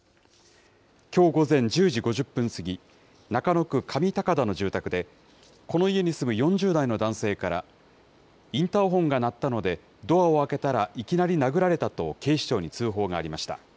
きょう午前１０時５０分過ぎ、中野区上高田の住宅で、この家に住む４０代の男性から、インターホンが鳴ったので、ドアを開けたらいきなり殴られたと、警視庁に通報がありました。